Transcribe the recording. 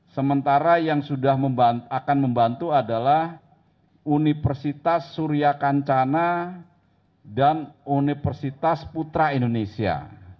sementara yang sudah akan membantu adalah universitas surya kancana dan universitas putra indonesia